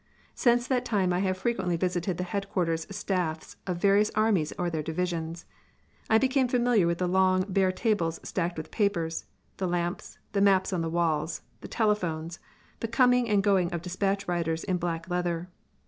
Since that time I have frequently visited the headquarters staffs of various armies or their divisions. I became familiar with the long, bare tables stacked with papers, the lamps, the maps on the walls, the telephones, the coming and going of dispatch riders in black leather.